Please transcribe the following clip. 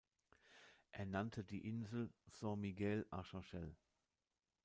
Er nannte die Insel "San Miguel Archangel.